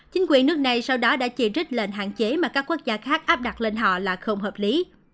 chính quyền nước này sau đó đã chỉ trích lệnh hạn chế mà các quốc gia khác áp đặt lên họ là không hợp lý